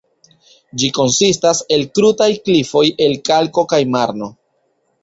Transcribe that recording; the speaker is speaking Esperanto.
Ĝi konsistas el krutaj klifoj el kalko kaj marno.